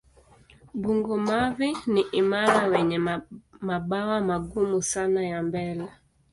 Bungo-mavi ni imara wenye mabawa magumu sana ya mbele.